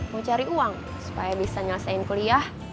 mau cari uang supaya bisa nyelesain kuliah